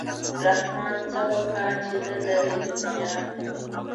رحمان څه وکا چې نه لري دنیا.